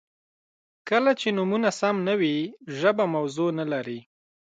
• کله چې نومونه سم نه وي، ژبه موضوع نهلري.